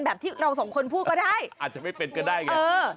แบบที่เราสองคนพูดก็ได้อาจจะไม่เป็นก็ได้ไง